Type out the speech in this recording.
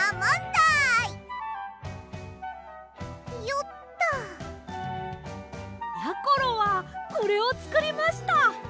よっと！やころはこれをつくりました！